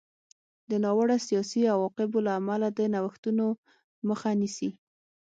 د ناوړه سیاسي عواقبو له امله د نوښتونو مخه نیسي.